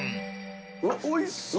うわおいしそう。